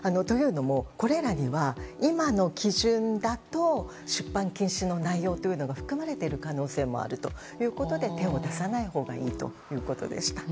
これらには今の基準だと出版禁止の内容が含まれている可能性もあるということで手を出さないほうがいいということでした。